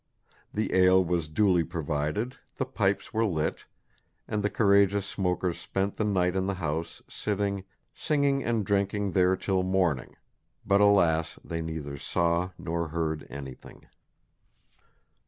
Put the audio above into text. The ale was duly provided, the pipes were lit, and the courageous smokers spent the night in the house, sitting "singing and drinking there till morning," but, alas! they neither saw nor heard anything.